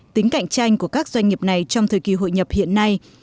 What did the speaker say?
tính cạnh tranh của các doanh nghiệp này trong thời kỳ hội nhập hiện nay